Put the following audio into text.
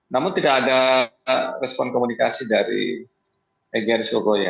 namun tidak ada respon komunikasi dari egyan sogoya